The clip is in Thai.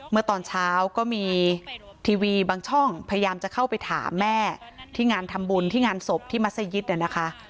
เมื่อตอนเช้าก็มีทีวีบางช่องพยายามจะเข้าไปถามแม่ที่งานทำบุญที่งานศพที่มัศยิตเนี่ยนะคะ